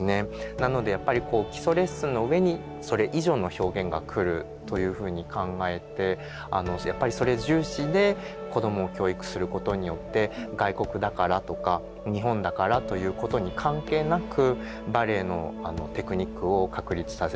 なのでやっぱり基礎レッスンのうえにそれ以上の表現が来るというふうに考えてやっぱりそれ重視で子どもを教育することによって外国だからとか日本だからということに関係なくバレエのテクニックを確立させていく。